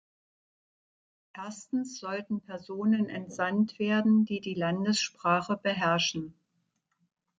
Erstens sollten Personen entsandt werden, die die Landessprache beherrschen.